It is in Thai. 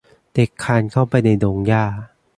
เด็กคลานเข้าไปในดงหญ้า